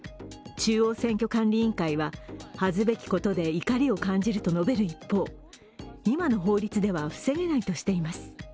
中央選挙管理委員会は恥ずべきことで怒りを感じると述べる一方今の法律では防げないとしています。